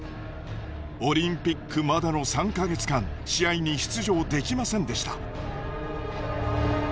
オリンピックまでの３か月間試合に出場できませんでした。